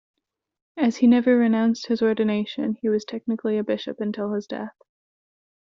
As he never renounced his ordination, he was technically a bishop until his death.